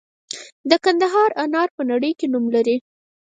د کندهار انار په نړۍ کې نوم لري.